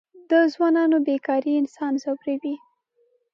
د ځوانانو بېکاري انسان ځوروي.